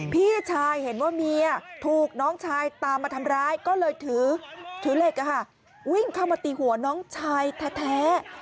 พี่ชายเห็นว่าเมียถูกน้องชายตามมาทำร้ายก็เลยถือเหล็กวิ่งเข้ามาตีหัวน้องชายแท้